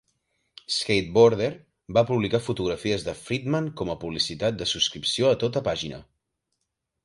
"SkateBoarder" va publicar fotografies de Friedman com publicitat de subscripció a tota pàgina.